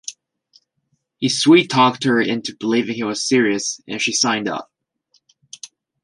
He sweet-talked her into believing he was serious, and she signed up.